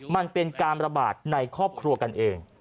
มันเป็นการระบาดในครอบครัวกันเอง